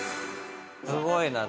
すごいな。